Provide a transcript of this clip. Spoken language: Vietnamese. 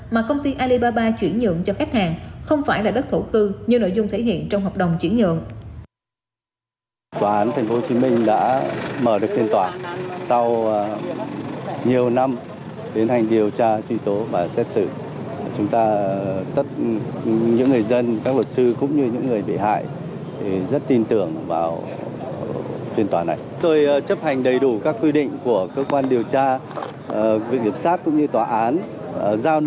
mà công ty alibaba chuyển nhượng cho khách hàng không phải là đất thổ cư như nội dung thể hiện trong hợp đồng chuyển nhượng